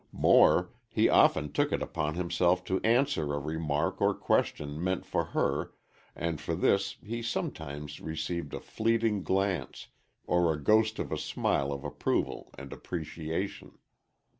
More, he often took it upon himself to answer a remark or question meant for her and for this he sometimes received a fleeting glance, or a ghost of a smile of approval and appreciation.